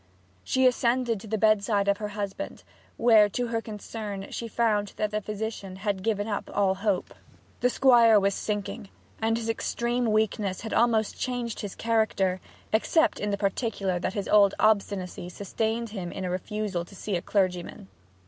She ascended to the bedside of her husband, where to her concern she found that the physician had given up all hope. The Squire was sinking, and his extreme weakness had almost changed his character, except in the particular that his old obstinacy sustained him in a refusal to see a clergyman.